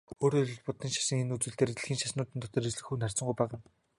Өөрөөр хэлбэл, буддын шашин энэ үзүүлэлтээрээ дэлхийн шашнууд дотор эзлэх хувь харьцангуй бага юм.